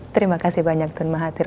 terima kasih banyak tun mahathir